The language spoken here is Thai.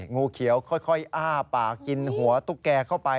งูเขียวค่อยอ้าปากกินหัวตุ๊กแกเข้าไป